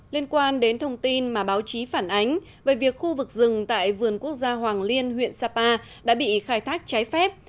liên quan đến thông tin mà báo chí phản ánh về việc khu vực rừng tại vườn quốc gia hoàng liên huyện sapa đã bị khai thác trái phép